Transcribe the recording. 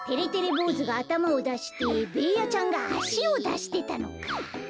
ぼうずがあたまをだしてべーヤちゃんがあしをだしてたのか。